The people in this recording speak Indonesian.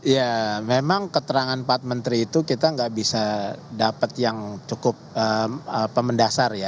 ya memang keterangan empat menteri itu kita nggak bisa dapat yang cukup mendasar ya